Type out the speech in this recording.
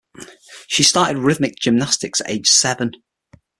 She started rhythmic gymnastics at age seven.